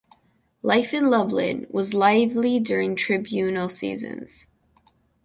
Life in Lublin was lively during tribunal sessions.